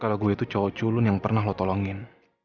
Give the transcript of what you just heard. kalo gue tuh cowok culun yang pernah lo tolongin